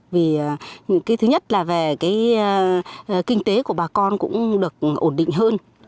vì thứ nhất là về kinh tế của bà con cũng được ổn định hơn